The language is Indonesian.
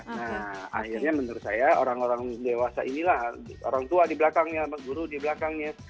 nah akhirnya menurut saya orang orang dewasa inilah orang tua di belakangnya guru di belakangnya